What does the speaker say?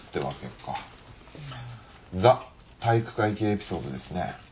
ザ・体育会系エピソードですね。